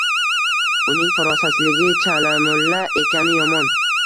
Uning farosatsizligi, chalamulla ekani yomon.